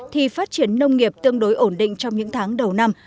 thì phát triển nông nghiệp tương đối ổn định trong những tháng đầu năm